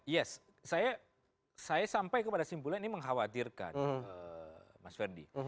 ya saya sampai kepada simpulan ini mengkhawatirkan mas ferdy